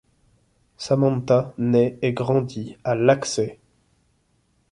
Samantha naît et grandit à Laxey.